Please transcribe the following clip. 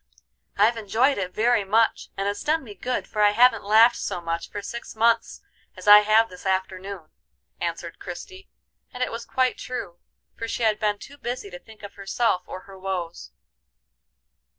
"I've enjoyed it very much, and it's done me good, for I haven't laughed so much for six months as I have this afternoon," answered Christie, and it was quite true, for she had been too busy to think of herself or her woes.